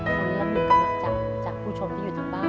คุณและมีกำลังใจจากผู้ชมที่อยู่ทางบ้าน